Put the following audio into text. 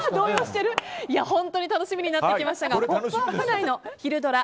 本当に楽しみになってきましたが「ポップＵＰ！」内のひるドラ！